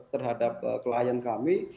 terhadap klien kami